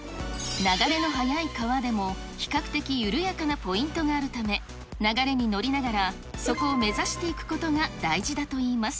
流れの速い川でも比較的緩やかなポイントがあるため、流れに乗りながら、そこを目指していくことが大事だといいます。